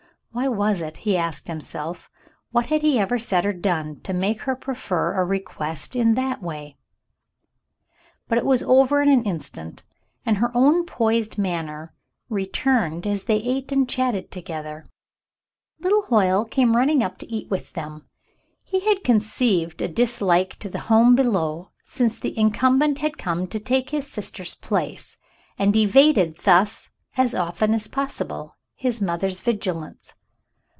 WTiy was it ? he asked himself. ^Yhat had he ever said or done to make her prefer a request in that way ? 207 208 The Mountain Girl But it was over in an instant, and her own poised manner returned as they ate and chatted together. Little Hoyle came running up to eat with them. He had conceived a disUke to the home below since the incum bent had come to take his sister's place, and evaded thus, as often as possible, his mother's vigilance.